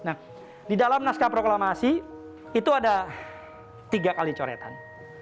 nah di dalam naskah proklamasi itu ada tiga kali coretan